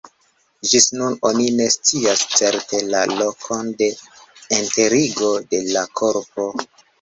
Ĝis nun oni ne scias certe la lokon de enterigo de la korpo.